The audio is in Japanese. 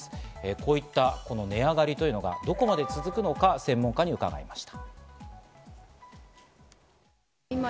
こういった値上がりというのがどこまで続くのか、専門家に伺いました。